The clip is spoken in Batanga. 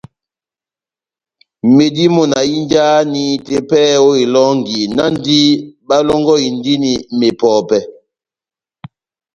Medimɔ́ na hínjahani tepɛhɛ ó elɔngi, náhndi bálɔ́ngɔhindini mepɔpɛ́.